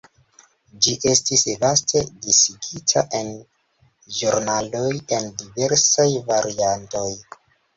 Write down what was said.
Ĝi estis vaste disigita en ĵurnaloj en diversaj variantoj.